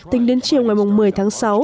tính đến chiều ngày một mươi tháng sáu